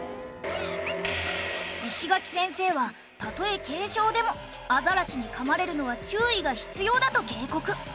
石垣先生はたとえ軽傷でもアザラシに噛まれるのは注意が必要だと警告。